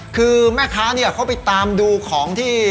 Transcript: คือแม่ค้าเขาไปตามดูของที่